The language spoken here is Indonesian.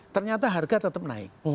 ternyata harga tetap naik